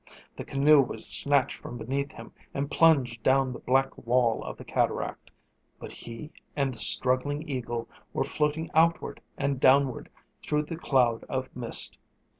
The canoe was snatched from beneath him and plunged down the black wall of the cataract; but he and the struggling eagle were floating outward and downward through the cloud of mist.